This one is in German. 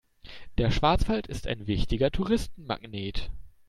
Der Schwarzwald ist ein wichtiger Touristenmagnet.